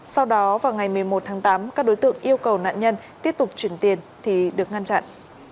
sau đó vào ngày một mươi một tháng tám các đối tượng yêu cầu nạn nhân tiếp tục chuyển tiền thì được ngăn chặn